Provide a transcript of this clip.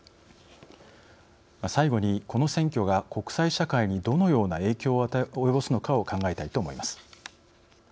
最後に、この選挙が国際社会にどのような影響を及ぼすのかを考えたいと思います。